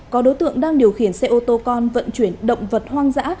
có đối tượng đang điều khiển xe ô tô con vận chuyển động vật hoang dã